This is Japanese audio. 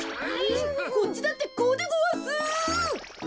こっちだってこうでごわす。